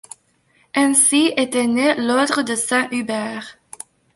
Ainsi était né l'ordre de Saint-Hubert.